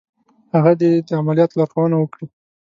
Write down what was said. هغه دې د عملیاتو لارښودنه وکړي.